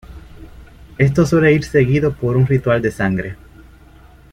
Esto suele ir seguido por un ritual de sangre.